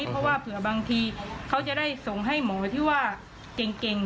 เพราะว่าเผื่อบางทีเขาจะได้ส่งให้หมอที่ว่าเก่ง